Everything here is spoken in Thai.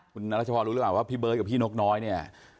คุณรัชพรรู้หรือเปล่าว่าพี่เบิร์ตกับพี่นกน้อยเนี่ย